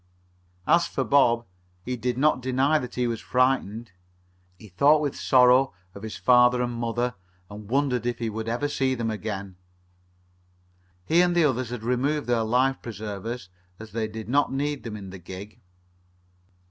As for Bob he did not deny that he was frightened. He thought with sorrow of his father and mother and wondered if he would ever see them again. He and the others had removed their life preservers, as they did not need them in the gig.